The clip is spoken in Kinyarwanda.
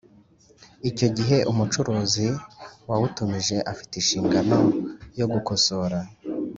Icyo gihe umucuruzi wawutumije afite inshingano yo gukosora